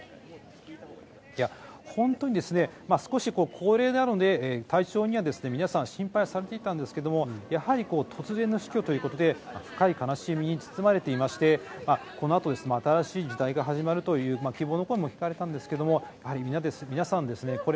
いや、本当に少し高齢なので体調には皆さん心配されていたんですけれども、やはり突然の死去ということで、深い悲しみに包まれていまして、この後、新しい時代が始まるという希望。